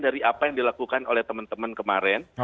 dari apa yang dilakukan oleh teman teman kemarin